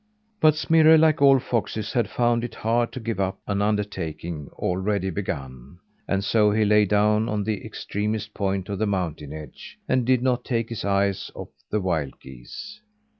But Smirre, like all foxes, had found it hard to give up an undertaking already begun, and so he lay down on the extremest point of the mountain edge, and did not take his eyes off the wild geese.